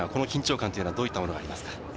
緊張感はどういったものがありますか？